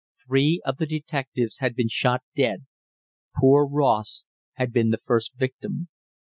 Three of the detectives had been shot dead poor Ross had been the first victim.